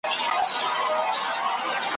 د قبر سرته په خلوت کي یو شین سترګی مرشد `